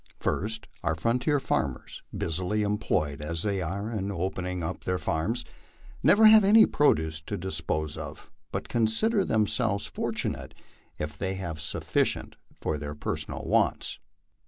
First, our frontier farmers, busily employed as they are in opening up their farms, never have any produce to dispose of, but consider themselves fortunate if they have suf ficient for their personal wants.